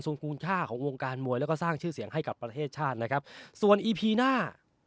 กูลค่าของวงการมวยแล้วก็สร้างชื่อเสียงให้กับประเทศชาตินะครับส่วนอีพีหน้า